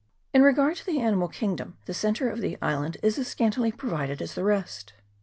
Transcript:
In regard to the animal kingdom, the centre of the island is as scantily provided as the rest.